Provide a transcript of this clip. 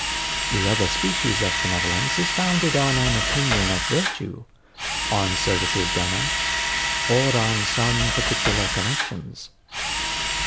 The other species of benevolence is founded on an opinion of virtue, on services done us, or on some particular connexions.